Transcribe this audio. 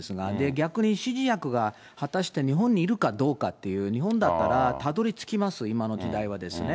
逆に指示役が果たして日本にいるかどうかっていう、日本だったら、たどりつきますよ、今の時代はですね。